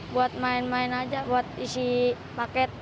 buat main main aja buat isi paket